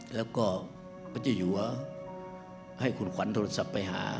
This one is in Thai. แล้วก็พระเจ้าอยู่หัวให้คุณขวัญโทรศัพท์ไปหา